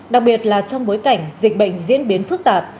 đặc biệt là trong bối cảnh dịch bệnh diễn biến phức tạp